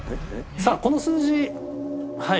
さあこの数字はい。